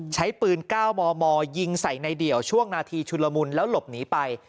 ใช้ปืน๙มมยิงใส่ในเดี่ยวช่วงนาทีชุลมุนแล้วหลบหนีไป